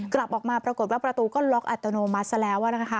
กลับออกมาปรากฏว่าประตูก็ล็อกอัตโนมัติซะแล้วนะคะ